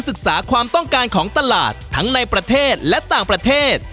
ศึกษาความต้องการของตลาดทั้งในประเทศและต่างประเทศ